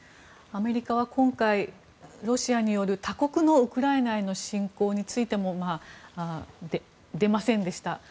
アメリカは今回ロシアによる他国のウクライナへの侵攻についても出ませんでした。